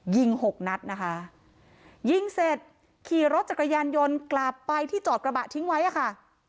หกนัดนะคะยิงเสร็จขี่รถจักรยานยนต์กลับไปที่จอดกระบะทิ้งไว้อ่ะค่ะ